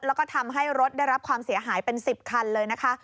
แล้วก็ทำให้รถได้รับความเสียหายเป็น๑๐คันเลยนะคะ